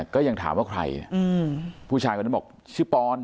ก็ยังถามว่าใครผู้ชายคนนั้นบอกชื่อปอน